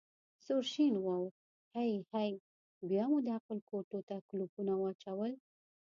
سور شین واوښت: هی هی، بیا مو د عقل کوټو ته کولپونه واچول.